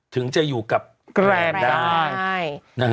ถึงจะอยู่กับแกรนได้